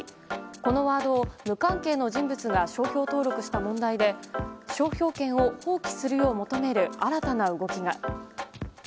このワードを無関係の人物が商標登録した問題で商標権を放棄するよう求める新たな動きが。